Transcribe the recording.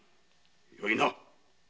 よいな！